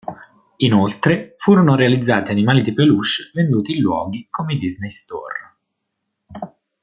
Inoltre furono realizzati animali di peluche venduti in luoghi come i Disney Store.